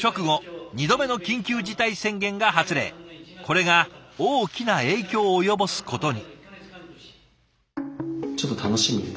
これが大きな影響を及ぼすことに。